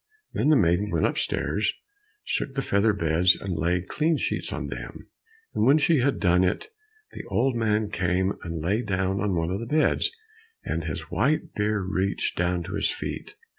Then the maiden went upstairs, shook the feather beds, and laid clean sheets on them, and when she had done it the old man came and lay down on one of the beds, and his white beard reached down to his feet.